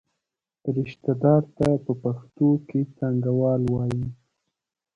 رشته دار ته په پښتو کې څانګوال وایي.